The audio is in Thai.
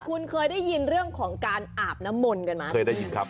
คุณเคยได้ยินเรื่องของการอาบน้ำมนต์กันไหมเคยได้ยินครับ